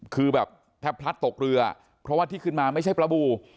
คือแบบแทบพลัดตกเรือเพราะว่าที่ขึ้นมาไม่ใช่ปลาบู